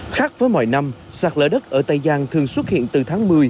khác với mọi năm sạt lở đất ở tây giang thường xuất hiện từ tháng một mươi